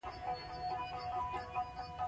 مسلمان باید له سلطان له دښمنانو سره جنګ وکړي.